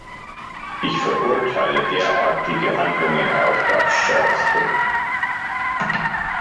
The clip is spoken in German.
Ich verurteile derartige Handlungen auf das Schärfste.